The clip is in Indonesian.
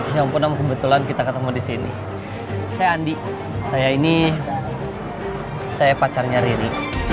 yang pernah kebetulan kita ketemu di sini saya andi saya ini saya pacarnya riri